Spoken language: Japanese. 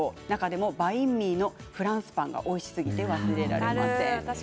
バインミーのフランスパンがおいしすぎて忘れられません。